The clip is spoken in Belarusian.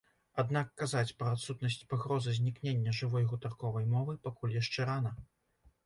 Аднак казаць пра адсутнасць пагрозы знікнення жывой гутарковай мовы пакуль яшчэ рана.